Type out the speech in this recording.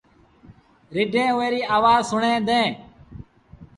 رڍينٚ اُئي ريٚ آوآز سُڻيݩ دينٚ